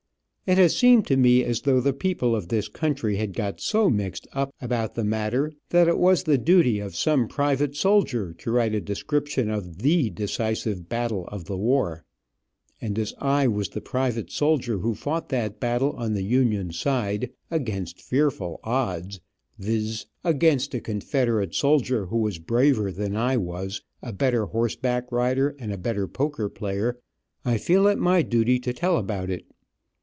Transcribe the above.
It has seemed to me as though the people of this country had got so mixed up about the matter that it was the duty of some private soldier to write a description of the decisive battle of the war, and as I was the private soldier who fought that battle on the Union side, against fearful odds, viz: against a Confederate soldier who was braver than I was, a better horseback rider, and a better poker player, I feel it my duty to tell about it.